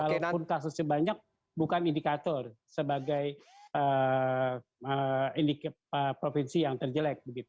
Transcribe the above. walaupun kasusnya banyak bukan indikator sebagai provinsi yang terjelek